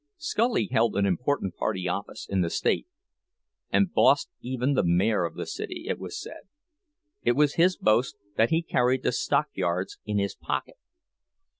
Scully held an important party office in the state, and bossed even the mayor of the city, it was said; it was his boast that he carried the stockyards in his pocket.